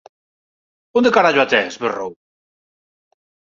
Onde carallo a tes? –berrou−.